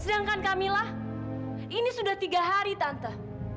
sedangkan kamilah ini sudah tiga hari tante